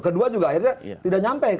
kedua juga akhirnya tidak nyampe